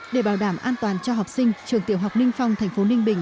để bảo đảm an toàn cho học sinh trường tiểu học ninh phong thành phố ninh bình